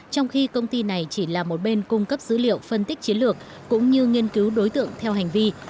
trong khi công ty này chỉ là một bên cung cấp dữ liệu phân tích chiến lược cũng như nghiên cứu đối tượng theo hành vi